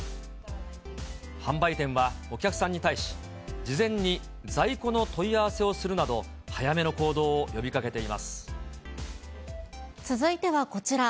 販売店はお客さんに対し、事前に在庫の問い合わせをするなど、続いてはこちら。